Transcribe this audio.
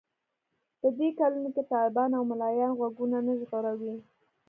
په دې کلونو کې طالبان او ملايان غوږونه نه ژغوري.